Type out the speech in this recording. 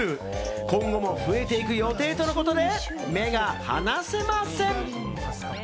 今後も増えていく予定とのことで、目が離せません。